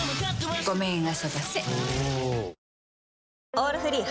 「オールフリー」